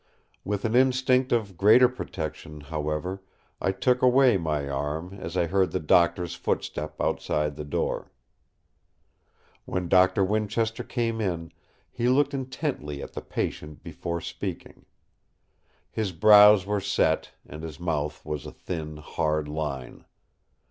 With an instinct of greater protection, however, I took away my arm as I heard the Doctor's footstep outside the door. When Doctor Winchester came in he looked intently at the patient before speaking. His brows were set, and his mouth was a thin, hard line.